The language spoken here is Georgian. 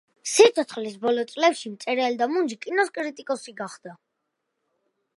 სიცოცხლის ბოლო წლებში, მწერალი და მუნჯი კინოს კრიტიკოსი გახდა.